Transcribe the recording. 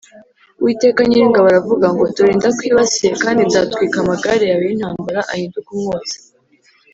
Uwiteka Nyiringabo aravuga ngo “Dore ndakwibasiye kandi nzatwika amagare yawe y’intambara ahinduke umwotsi